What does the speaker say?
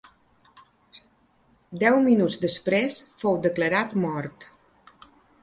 Deu minuts després fou declarat mort.